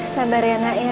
sabar ya nak ya